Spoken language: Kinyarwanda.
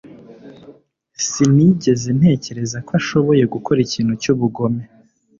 sinigeze ntekereza ko ashoboye gukora ikintu cyubugome